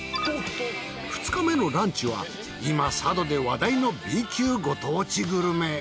２日目のランチは今佐渡で話題のＢ級ご当地グルメ。